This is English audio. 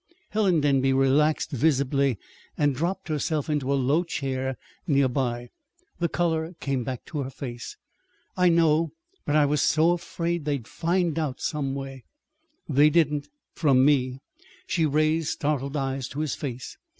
Helen Denby relaxed visibly, and dropped herself into a low chair near by. The color came back to her face. "I know; but I was so afraid they'd find out some way." "They didn't from me." She raised startled eyes to his face.